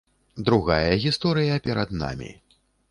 Другая гісторыя перад намі.